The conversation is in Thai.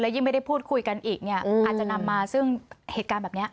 ยิ่งไม่ได้พูดคุยกันอีกเนี่ยอาจจะนำมาซึ่งเหตุการณ์แบบนี้